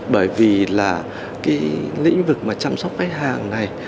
bởi vì là cái lĩnh vực mà chăm sóc khách hàng này